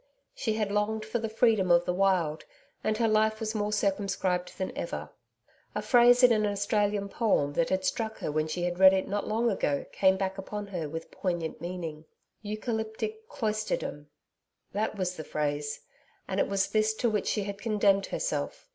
She had longed for the freedom of the wild, and her life was more circumscribed than ever. A phrase in an Australian poem, that had struck her when she had read it not long ago came back upon her with poignant meaning. 'Eucalyptic cloisterdom' that was the phrase, and it was this to which she had condemned herself.